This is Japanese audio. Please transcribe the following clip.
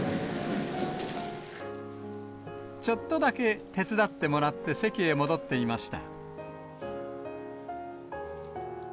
ちょっとだけ手伝ってもらって、席へ戻っていました。